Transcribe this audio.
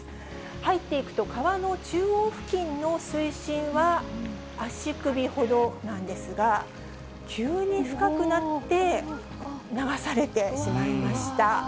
入っていくと、川の中央付近の水深は足首ほどなんですが、急に深くなって、流されてしまいました。